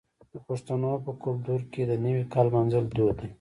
د پښتنو په کلتور کې د نوي کال لمانځل دود دی.